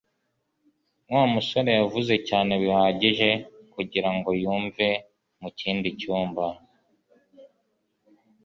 Wa musore yavuze cyane bihagije kugirango yumve mu kindi cyumba